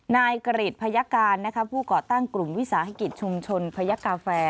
นายกริจพยการผู้ก่อตั้งกลุ่มวิสาหกิจชุมชนพยักกาแฟ